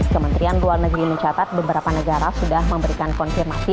kementerian luar negeri mencatat beberapa negara sudah memberikan konfirmasi